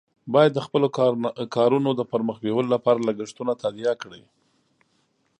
باید د خپلو کارونو د پر مخ بیولو لپاره لګښتونه تادیه کړي.